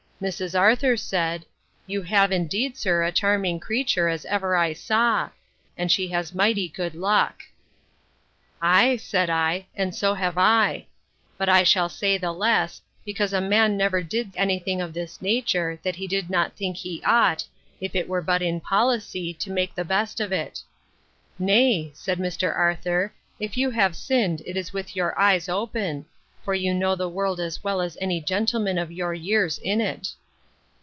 Mrs. Arthur said, You have, indeed, sir, a charming creature, as ever I saw; and she has mighty good luck. Ay, said I, and so have I. But I shall say the less, because a man never did any thing of this nature, that he did not think he ought, if it were but in policy, to make the best of it. Nay, said Mr. Arthur, if you have sinned, it is with your eyes open: for you know the world as well as any gentleman of your years in it.